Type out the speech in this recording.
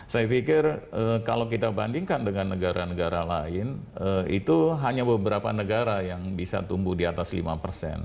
saya pikir kalau kita bandingkan dengan negara negara lain itu hanya beberapa negara yang bisa tumbuh di atas lima persen